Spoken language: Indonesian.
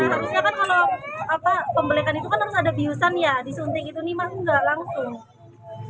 iya tapi siapa kalau pembelekan itu kan harus ada biusan ya disunting itu nih maksudnya nggak langsung